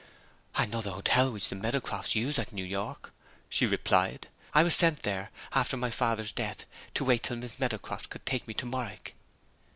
"I know the hotel which the Meadowcrofts use at New York," she replied. "I was sent there, after my father's death, to wait till Miss Meadowcroft could take me to Morwick."